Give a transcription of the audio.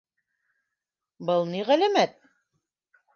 Был ни... ғәләмәт...